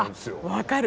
分かる！